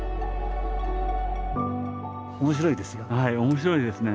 面白いですよ。